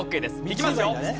いきますよ。